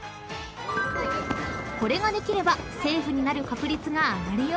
［これができればセーフになる確率が上がるよ］